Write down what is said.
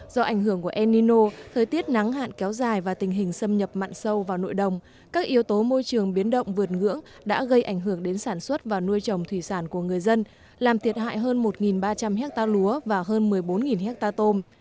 do ảnh hưởng của enino thời tiết nắng hạn kéo dài và tình hình xâm nhập mặn sâu vào nội đồng các yếu tố môi trường biến động vượt ngưỡng đã gây ảnh hưởng đến sản xuất và nuôi trồng thủy sản của người dân làm thiệt hại hơn một ba trăm linh hectare lúa và hơn một mươi bốn hectare tôm